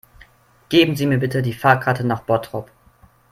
Geben Sie mir bitte die Fahrkarte nach Bottrop